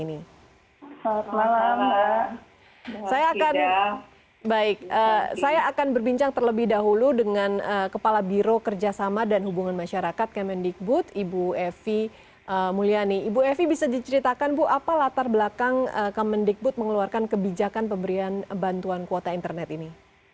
ibu evi bisa diceritakan bu apa latar belakang kemendikbud mengeluarkan kebijakan pemberian bantuan kuota internet ini